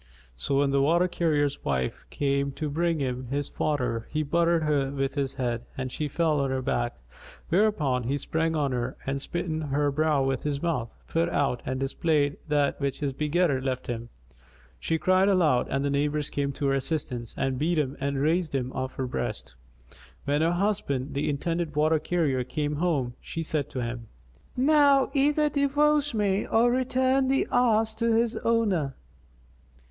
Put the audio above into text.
So, when the water carrier's wife came to bring him his fodder, he butted her with his head and she fell on her back; whereupon he sprang on her and smiting her brow with his mouth, put out and displayed that which his begetter left him. She cried aloud and the neighbours came to her assistance and beat him and raised him off her breast. When her husband the intended water carrier came home, she said to him, "Now either divorce me or return the ass to his owner."